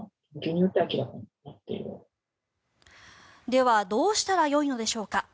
ではどうしたらよいのでしょうか。